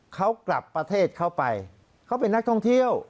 เขากลับประเทศเข้าไปเขาเป็นนักท่องเที่ยว